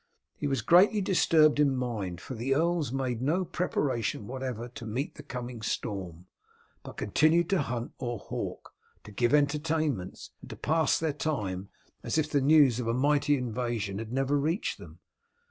He was greatly disturbed in mind, for the earls made no preparation whatever to meet the coming storm, but continued to hunt or to hawk, to give entertainments, and to pass their time as if the news of a mighty invasion had never reached them.